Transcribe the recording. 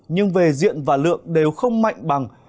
nhưng về diện và lượng đều không mạnh bằng